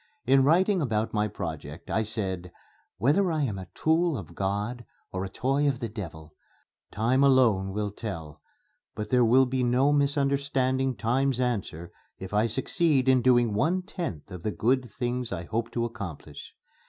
In writing about my project I said, "Whether I am a tool of God or a toy of the devil, time alone will tell; but there will be no misunderstanding Time's answer if I succeed in doing one tenth of the good things I hope to accomplish....